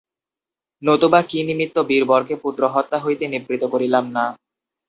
নতুবা কি নিমিত্ত বীরবরকে পুত্রহত্যা হইতে নিবৃত্ত করিলাম না।